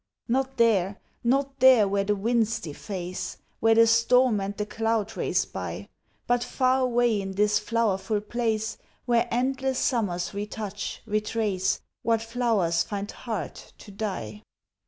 Not there, not there, where the winds deface! Where the storm and the cloud race by! But far away in this flowerful place Where endless summers retouch, retrace, What flowers find heart to die.